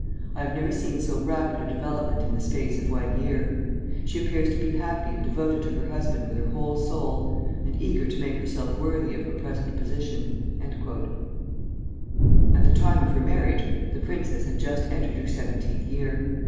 I have never seen so rapid a development in the space of one year. She appears to be happy and devoted to her husband with her whole soul, and eager to make herself worthy of her present position." At the time of her marriage the princess had just entered her seventeenth year.